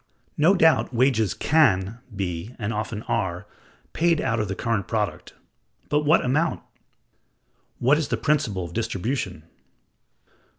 No doubt wages can be (and often are) paid out of the current product; but what amount? What is the principle of distribution?